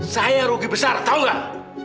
saya rugi besar tau gak